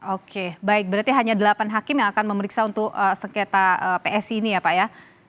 oke baik berarti hanya delapan hakim yang akan memeriksa untuk sengketa psi ini ya pak ya